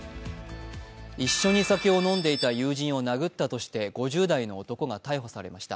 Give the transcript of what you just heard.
一緒に酒を飲んでいた友人を殴ったとして５０代の男が逮捕されました。